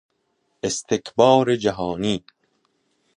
استکبار جهانی